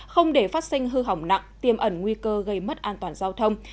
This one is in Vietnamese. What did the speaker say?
không để phát sinh hư hỏng nặng tiêm ẩn nguy cơ gây mất an toàn giao thông